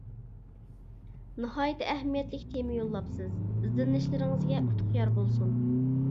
ناھايىتى ئەھمىيەتلىك تېما يوللاپسىز، ئىزدىنىشلىرىڭىزگە ئوتۇق يار بولسۇن!